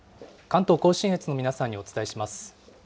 関東甲信越の皆さんにお伝えします。